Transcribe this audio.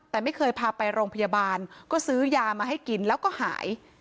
แต่ไม่เคยพาไปโรงพยาบาลก็ซื้อยามาให้กินแล้วก็หาย